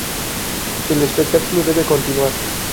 El espectáculo debe continuar